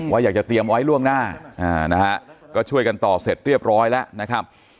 อยากจะเตรียมไว้ล่วงหน้านะฮะก็ช่วยกันต่อเสร็จเรียบร้อยแล้วนะครับ